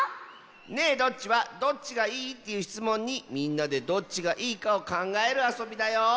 「ねえどっち？」は「どっちがいい？」というしつもんにみんなでどっちがいいかをかんがえるあそびだよ！